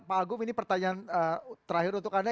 pak agung ini pertanyaan terakhir untuk anda